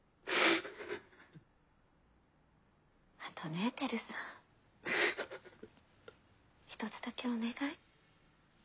あとね輝さん一つだけお願い。